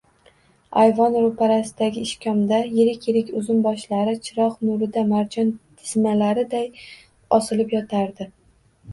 Аyvon roʼparasidagi ishkomda yirik-yirik uzum boshlari chiroq nurida marjon tizimlariday osilib yotardi.